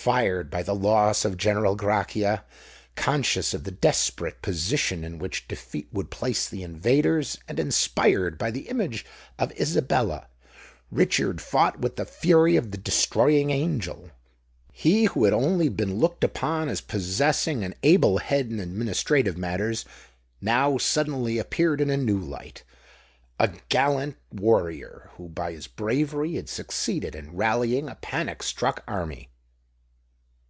Fired by the loss of General Grachia,—conscious of the desperate position in which defeat would place the invaders,—and inspired by the image of Isabella, Richard fought with the fury of the Destroying Angel. He who had only been looked upon as possessing an able head in administrative matters, now suddenly appeared in a new light,—a gallant warrior, who by his bravery had succeeded in rallying a panic struck army.